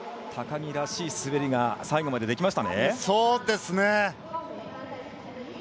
高木らしい滑りが最後までできましたね。